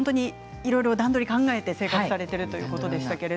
段取りを考えて生活しているということでした。